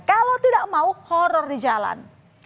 kalau tidak mau horror di jalan